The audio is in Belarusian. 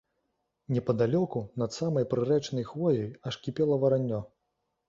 Непадалёку, над самай прырэчнай хвояй, аж кіпела вараннё.